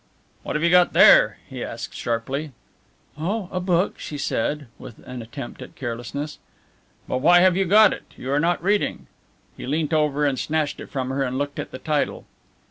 "What have you got there?" he asked sharply. "Oh, a book," she said, with an attempt at carelessness. "But why have you got it out? You are not reading." He leant over and snatched it from her and looked at the title.